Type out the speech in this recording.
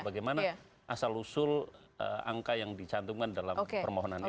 bagaimana asal usul angka yang dicantumkan dalam permohonan ini